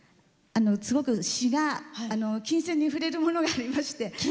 すごく詞が琴線に触れるものがありまして